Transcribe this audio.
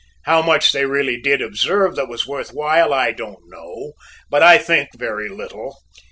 How much they really did observe that was worth while, I don't know, but I think very little.